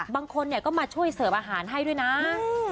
บางคนก็มาช่วยเสิร์ฟอาหารให้ด้วยนะ